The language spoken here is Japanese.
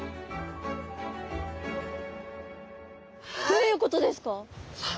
どういうことですか？